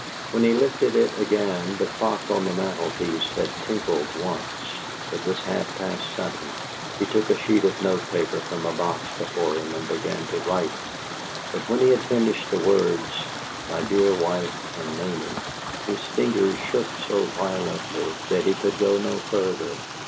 When he lifted it again the clock on the mantel piece had tinkled once. It was half past seven. He took a sheet of note paper from a box before him and began to write, but when he had finished the words, "My dear wife and Mamie," his fingers shook so violently that he could go no further.